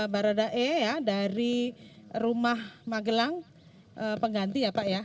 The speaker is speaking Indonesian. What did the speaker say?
baroda e dari rumah magelang pengganti ya pak ya